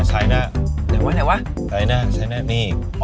ไหนวะนี่